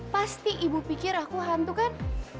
pasti ibu pikir aku hantu kan